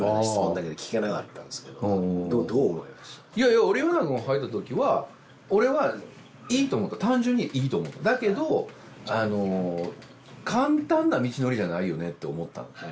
いやいや俺岩永君入った時は俺はいいと思った単純にいいと思っただけどあの簡単な道のりじゃないよねって思ったのね